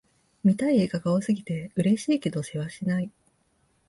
見たい映画が多すぎて、嬉しいけどせわしない